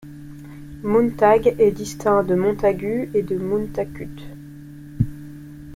Mountague est distinct de Montagu et de Mountacute.